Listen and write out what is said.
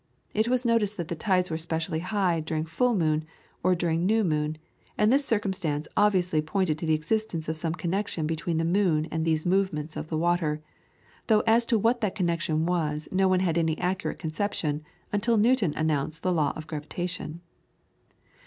It was noticed that the tides were specially high during full moon or during new moon, and this circumstance obviously pointed to the existence of some connection between the moon and these movements of the water, though as to what that connection was no one had any accurate conception until Newton announced the law of gravitation.